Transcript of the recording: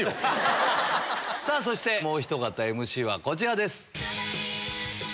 そしてもうひと方ＭＣはこちらです。